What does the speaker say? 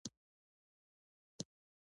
د بوتسوانا لپاره د بریالیتوبونو زړي وکرل.